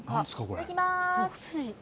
いただきます。